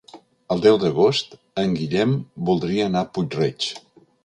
El deu d'agost en Guillem voldria anar a Puig-reig.